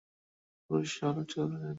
তাই নারী কিংবা পুরুষ সবাই চুলের যত্ন নেয়।